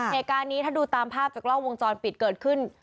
เหตุการณ์นี้ถ้าดูตามภาพจากกล้องวงจรปิดเกิดขึ้น